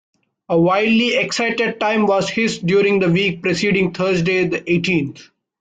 A wildly exciting time was his during the week preceding Thursday the eighteenth.